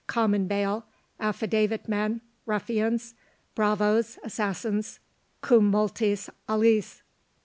COMMON BAIL, AFFIDAVIT MEN, RUFFIANS, BRAVOES, ASSASSINS, cum multis aliis.